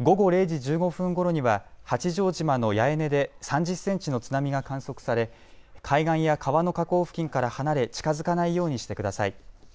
午後０時１５分ごろには八丈島の八重根で３０センチの津波が観測され海岸や川の河口付近から離れ近づかないようにしてください。